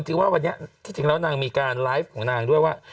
จริงว่าวันนี้ที่จริงแล้วนางมีการไลฟ์ของนางด้วยว่า